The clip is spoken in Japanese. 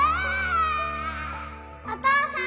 お父さん。